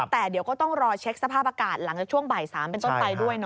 แต่เดี๋ยวก็ต้องรอเช็คสภาพอากาศหลังจากช่วงบ่าย๓เป็นต้นไปด้วย